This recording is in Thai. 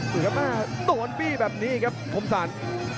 หรือครับโดนบี้แบบนี้ครับผมสั่น